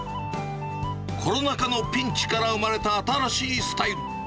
コロナ禍のピンチから生まれた新しいスタイル。